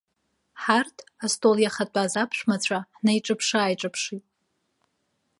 Ҳарҭ, астол иахатәаз аԥшәмацәа, ҳнеиҿаԥшыааиҿаԥшит.